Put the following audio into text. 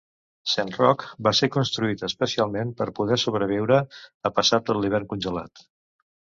"Saint Roch" va ser construït especialment per poder sobreviure a passar tot l'hivern congelat.